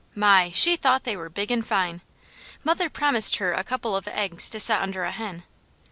My! she thought they were big and fine. Mother promised her a couple of eggs to set under a hen.